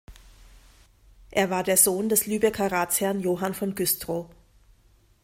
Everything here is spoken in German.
Er war der Sohn des Lübecker Ratsherrn "Johann von Güstrow".